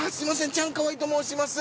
チャンカワイと申します。